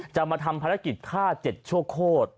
จะมาทำภารกิจฆ่า๗ชั่วโคตร